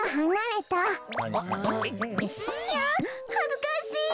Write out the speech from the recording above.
いやはずかしい。